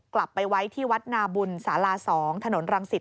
กลับไปไว้ที่วัดนาบุญศาลา๒ถนนรังสิต